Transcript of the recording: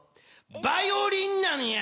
バイオリンなんや！